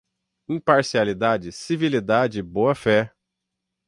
Imparcialidade, civilidade e boa-fé